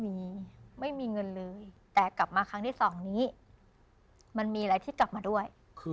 ไม่มีไม่มีเงินเลยแต่กลับมาครั้งที่สองนี้มันมีอะไรที่กลับมาด้วย